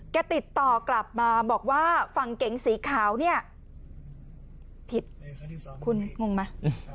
ติดต่อกลับมาบอกว่าฝั่งเก๋งสีขาวเนี่ยผิดคุณงงไหม